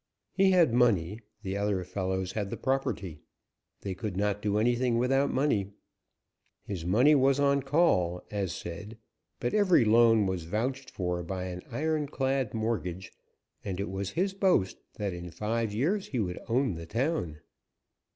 He had money, the other fellows had the property. They could not do anything without money. His money was on call, as said, but every loan was vouched for by an iron clad mortgage, and it was his boast that in five years he would own the town.